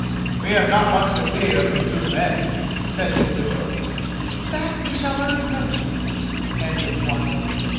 "We have not much to fear from two men," said Gizur. "That we shall learn presently," answered Swanhild.